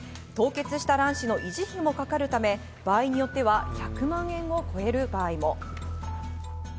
凍結した卵子の維持費もかかるため場合によっては１００万円を超える場合も。